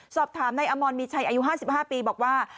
สอบถามในอมรมีชัยอายุห้าสิบห้าปีบอกว่า